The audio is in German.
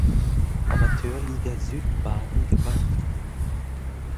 Amateurliga Südbaden gewann.